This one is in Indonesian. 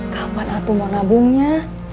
kapan atum mau nabungnya